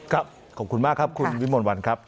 ขอบคุณมากครับคุณวิมลวันครับ